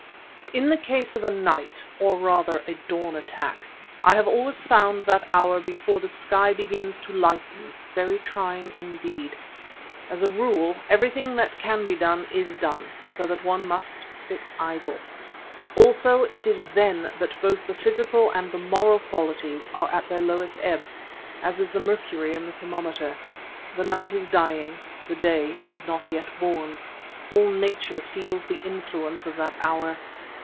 In the case of a night, or rather a dawn attack, I have always found that hour before the sky begins to lighten very trying indeed. As a rule everything that can be done is done, so that one must sit idle. Also it is then that both the physical and the moral qualities are at their lowest ebb, as is the mercury in the thermometer. The night is dying, the day is not yet born. All nature feels the influence of that hour.